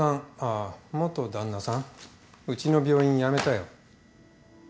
あ元旦那さんうちの病院辞めたよ。